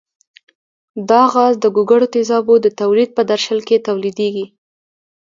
دا غاز د ګوګړو تیزابو د تولید په درشل کې تولیدیږي.